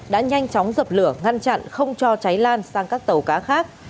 đã nhanh chóng dập lửa ngăn chặn không cho cháy lan sang các tàu cá khác